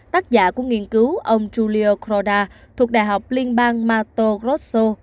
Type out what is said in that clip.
tác giả của nghiên cứu ông giulio croda thuộc đại học liên bang mato grosso